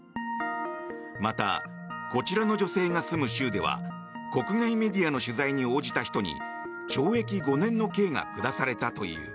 また、こちらの女性が住む州では国外メディアの取材に応じた人に懲役５年の刑が下されたという。